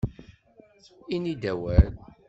Ini-d awal!